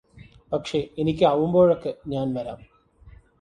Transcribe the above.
പക്ഷേ എനിക്കാവുമ്പോഴൊക്കെ ഞാന് വരാം